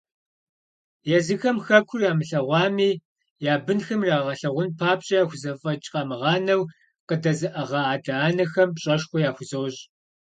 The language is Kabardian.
Езыхэм хэкур ямылъэгъуами, я бынхэм ирагъэлъагъун папщӏэ яхузэфӏэкӏ къамыгъанэу къадэзыӏыгъа адэ-анэхэм пщӏэшхуэ яхузощӏ!